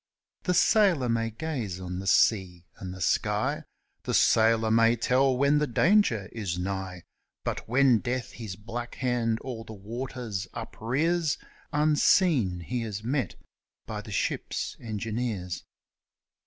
The sailor may gaze on the sea and the sky; The sailor may tell when the danger is nigh; But when Death his black head o'er the waters uprears, Unseen he is met by the ship's engineers.